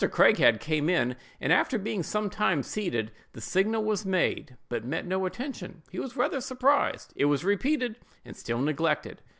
Craighead came in, and, after being some time seated, the signal was made, but met no attention; he was rather surprised; it was repeated, and still neglected.